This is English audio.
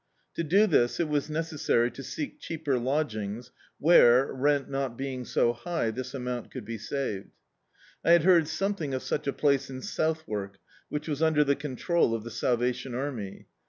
To do this it was necessary to seek cheaper lodgings where, rent not being so high, this amount could be saved. I had heard scmething of such a place in Southwark which was under the control of the Salvation Army.